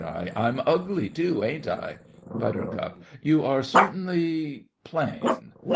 I'm ugly too, ain't I? BUT. You are certainly plain.